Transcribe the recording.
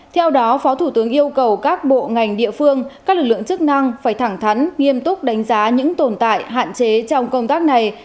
theo đó phó thủ tướng yêu cầu các bộ ngành địa phương các lực lượng chức năng phải thẳng thắn nghiêm túc đánh giá những tồn tại hạn chế trong công tác này